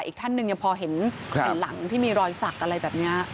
อีกท่านหนึ่งยังพอเห็นหลังที่มีรอยสักอะไรแบบนี้